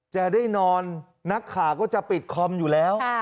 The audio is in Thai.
จะได้นอนนักข่าวก็จะปิดคอมอยู่แล้ว